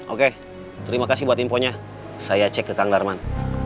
oke terima kasih buat infonya saya cek ke kang darman